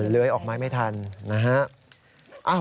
เลื้อยออกมาไม่ทันนะฮะ